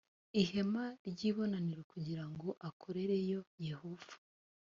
ihema ry ibonaniro kugira ngo akorereyo yehova